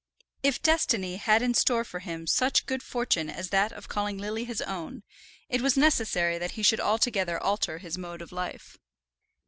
If destiny had in store for him such good fortune as that of calling Lily his own, it was necessary that he should altogether alter his mode of life.